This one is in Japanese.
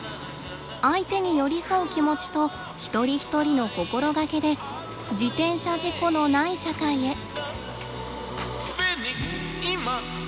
相手に寄り添う気持ちと一人一人の心がけで自転車事故のない社会へ。